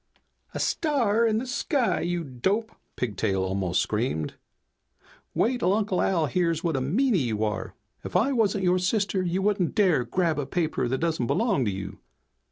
"A star in the sky, you dope!" Pigtail almost screamed. "Wait'll Uncle Al hears what a meanie you are. If I wasn't your sister you wouldn't dare grab a paper that doesn't belong to you."